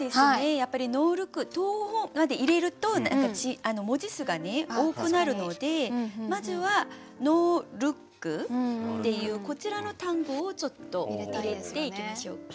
やっぱり「ノールック投法」まで入れると文字数がね多くなるのでまずは「ノールック」っていうこちらの単語をちょっと入れていきましょうか。